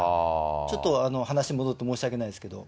ちょっと話戻って申し訳ないですけど。